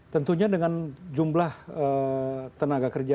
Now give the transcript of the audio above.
tentunya dengan jumlah tenaga kerja